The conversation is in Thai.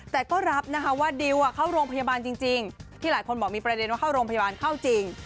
แต่ก็รับนะคะว่าดิวเข้าโรงพยาบาลจริงที่หลายคนบอกมีประเด็นว่าเข้าโรงพยาบาลเข้าจริง